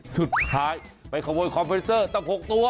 สุดท้ายไปขโมยคอมเวนเซอร์ตั้ง๖ตัว